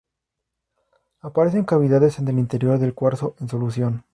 Aparece en cavidades en el interior del cuarzo, en solución.